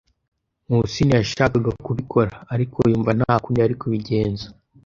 Nkusi ntiyashakaga kubikora, ariko yumva nta kundi yari kubigenza.